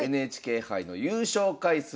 ＮＨＫ杯の優勝回数